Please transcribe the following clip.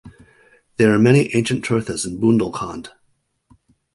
There are many ancient tirthas in Bundelkhand.